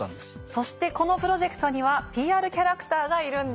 そしてこのプロジェクトにはＰＲキャラクターがいるんです。